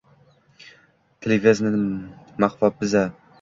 Tilivzani maqvoppiza?